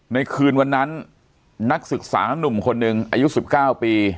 ในคืนวันนั้นนักศึกษานุ่มคนหนึ่งอายุ๑๙ปี